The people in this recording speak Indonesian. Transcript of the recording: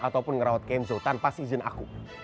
ataupun ngerawat kenzo tanpa seizin aku